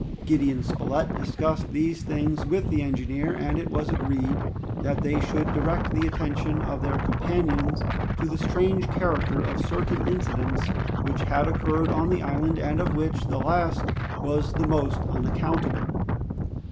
Gideon Spilett discussed these things with the engineer, and it was agreed that they should direct the attention of their companions to the strange character of certain incidents which had occurred on the island, and of which the last was the most unaccountable.